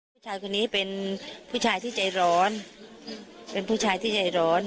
ผู้ชายคนนี้เป็นผู้ชายที่ใจร้อนเป็นผู้ชายที่ใจร้อน